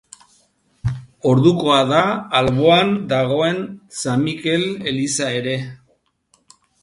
Ordukoa da alboan dagoen San Mikel eliza ere.